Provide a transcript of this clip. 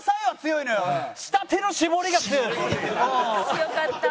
強かった。